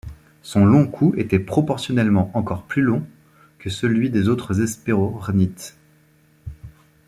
Son long cou était proportionnellement encore plus long que celui des autres Hesperornithes.